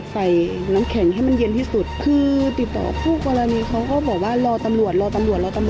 ใส่น้ำแข็งให้มันเย็นที่สุดคือติดต่อคู่กรณีเขาก็บอกว่ารอตำรวจรอตำรวจรอตำรวจ